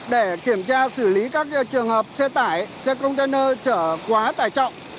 để kiểm tra xử lý các trường hợp xe tải xe container chở quá tải trọng